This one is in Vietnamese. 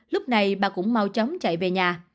lúc này bà cũng mau chóng chạy về nhà